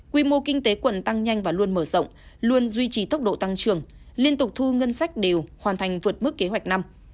quy mô kinh tế quận tăng nhanh và luôn mở rộng luôn duy trì tốc độ tăng trưởng liên tục thu ngân sách đều hoàn thành vượt mức kế hoạch năm